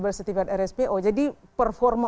bersertifikat rspo jadi performa